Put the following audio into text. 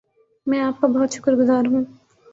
میں آپ کا بہت شکر گزار ہوں